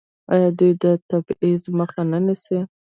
آیا دوی د تبعیض مخه نه نیسي؟